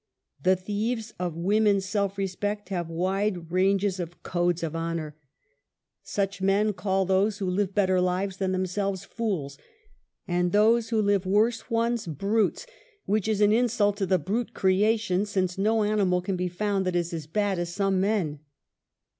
The thieves of woman's self respect have wide ranges of "codes of honor." Such men call those INTRODUCTION. 5 who live better lives than themselves, fools, and those who live worse ones, brutes, which is an insult to the brute creation, since no animal can be found that is as bad as some men.